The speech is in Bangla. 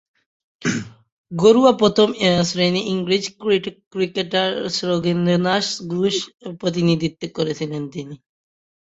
ঘরোয়া প্রথম-শ্রেণীর ইংরেজ ক্রিকেটে গ্লুচেস্টারশায়ারের প্রতিনিধিত্ব করেছেন তিনি।